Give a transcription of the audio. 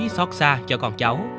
xót xa cho con cháu